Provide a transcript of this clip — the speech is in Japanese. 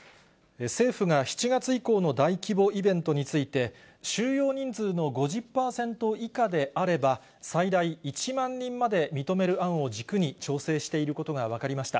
政府が、７月以降の大規模イベントについて、収容人数の５０％以下であれば、最大１万人まで認める案を軸に調整していることが分かりました。